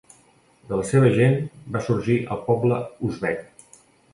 De la seva gent va sorgir el poble uzbek.